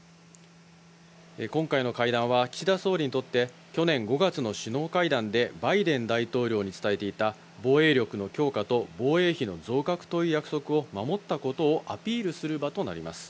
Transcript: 今回の会談は、岸田総理にとって、去年５月の首脳会談でバイデン大統領に伝えていた、防衛力の強化と防衛費の増額といった約束を守ったことをアピールする場となります。